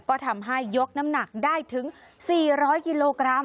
ก็ทำให้ยกน้ำหนักได้ถึง๔๐๐กิโลกรัม